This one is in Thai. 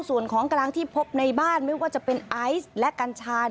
ส่วนของกลางที่พบในบ้านไม่ว่าจะเป็นไอซ์และกัญชา